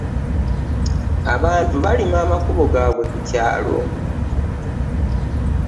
Abantu balima abakubo gaabwe ku kyalo.